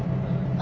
あ！